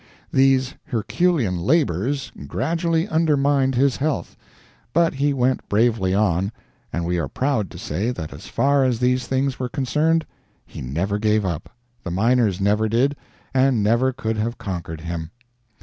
These herculean labors gradually undermined his health, but he went bravely on, and we are proud to say that as far as these things were concerned, he never gave up—the miners never did, and never could have conquered him.